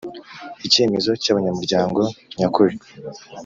Icyemezo cy abanyamuryango nyakuri